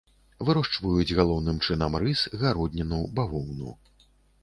Вырошчваюць галоўным чынам рыс, гародніну, бавоўну.